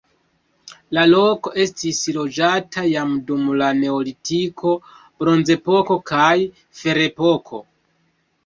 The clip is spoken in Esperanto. La loko estis loĝata jam dum la neolitiko, bronzepoko kaj ferepoko.